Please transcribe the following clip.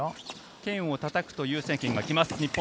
剣をたたくと優先権が来ます。